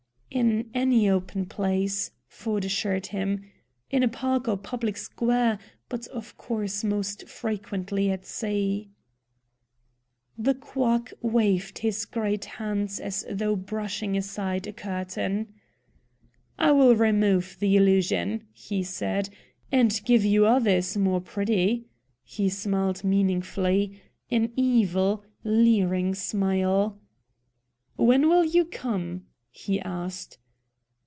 "In any open place," Ford assured him. "In a park or public square, but of course most frequently at sea." The quack waved his great hands as though brushing aside a curtain. "I will remove the illusion," he said, "and give you others more pretty." He smiled meaningfully an evil, leering smile. "When will you come?" he asked.